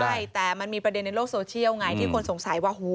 ใช่แต่มันมีประเด็นในโลกโซเชียลไงที่คนสงสัยว่า